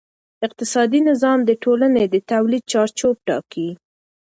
اقتصادي نظام د ټولنې د تولید چارچوب ټاکي.